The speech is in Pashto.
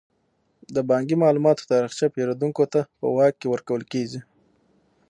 د بانکي معاملاتو تاریخچه پیرودونکو ته په واک کې ورکول کیږي.